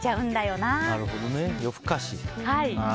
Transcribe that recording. なるほど、夜更かし。